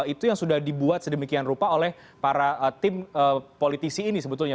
itu yang sudah dibuat sedemikian rupa oleh para tim politisi ini sebetulnya